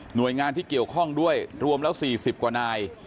โดยงานที่เกี่ยวข้องด้วยรวมแล้ว๔๐กว่านาย